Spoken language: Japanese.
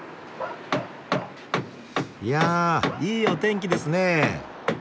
いやいいお天気ですね。